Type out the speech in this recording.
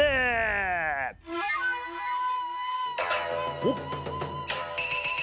ほっ。